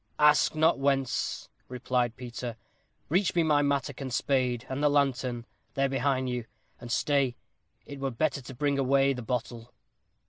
"Ask not whence," replied Peter. "Reach me my mattock, and spade, and the lantern; they are behind you. And stay, it were better to bring away the bottle."